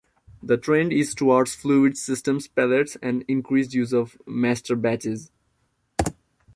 The trend is towards fluid systems, pellets, and increased use of masterbatches.